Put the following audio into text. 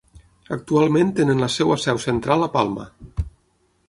Actualment tenen la seva seu central a Palma.